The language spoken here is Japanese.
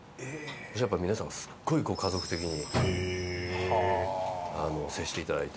そしたら皆さんすごい家族的に接していただいて。